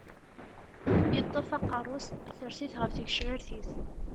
Yeṭṭef aqeṛṛu-s, isers-it ɣef tgecrar-is.